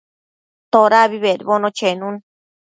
Todabi bedbono chenun